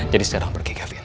jadi sekarang pergi gavin